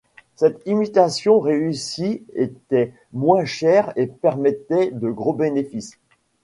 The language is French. Ces imitations réussies étaient moins chères et permettaient de gros bénéfices.